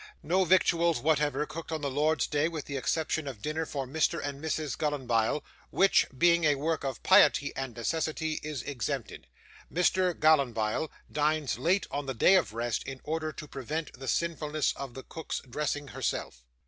No victuals whatever cooked on the Lord's Day, with the exception of dinner for Mr. and Mrs. Gallanbile, which, being a work of piety and necessity, is exempted. Mr. Gallanbile dines late on the day of rest, in order to prevent the sinfulness of the cook's dressing herself."